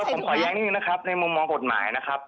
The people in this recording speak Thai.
ผมขอแย้งนิดนึงนะครับในมุมมองกฎหมายนะครับ